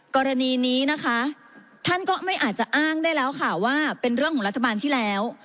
กรณีนี้นะคะท่านก็ไม่อาจจะอ้างได้แล้วค่ะว่าเป็นเรื่องของรัฐบาลที่แล้ว